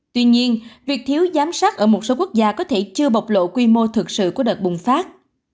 tuy nhiên việc thiếu giám sát ở một số quốc gia có thể chưa bộc lộ quy mô thực sự của đợt bùng phát